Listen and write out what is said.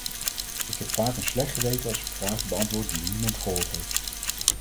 Ik heb vaak een slecht geweten als ik vragen beantwoord die niemand gehoord heeft.